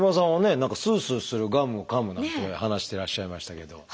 何かスースーするガムをかむなんて話してらっしゃいましたけど。